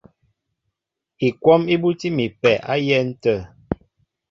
Ikwɔ́m í búti mi a pɛ á yɛ̌n tə̂.